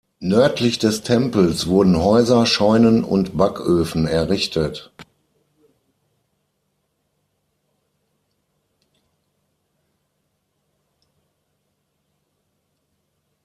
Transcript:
Nördlich des Tempels wurden Häuser, Scheunen und Backöfen errichtet.